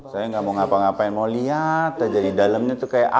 saya nggak mau ngapa ngapain mau lihat aja di dalamnya tuh kayak apa